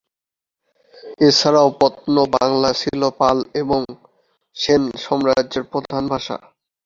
এছাড়াও "প্রত্ন বাংলা" ছিলো পাল এবং সেন সাম্রাজ্যের প্রধান ভাষা।